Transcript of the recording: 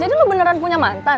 jadi lo beneran punya mantan